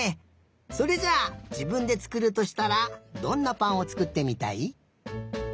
それじゃあじぶんでつくるとしたらどんなぱんをつくってみたい？